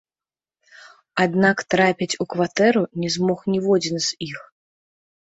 Аднак трапіць у кватэру не змог ніводзін з іх.